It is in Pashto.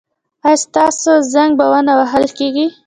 ایا ستاسو زنګ به و نه وهل کیږي؟